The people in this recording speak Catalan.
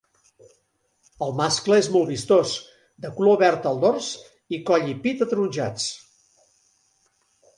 El mascle és molt vistós, de color verd al dors i coll i pit ataronjats.